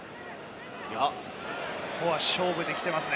ここは勝負できてますね。